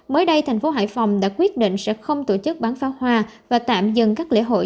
mới đây tp hcm đã quyết định sẽ không tổ chức bán pháo hoa và tạm dừng các lễ hội